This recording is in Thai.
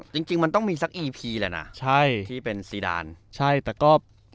จริงจริงมันต้องมีสักอีพีแหละนะใช่ที่เป็นซีดานใช่แต่ก็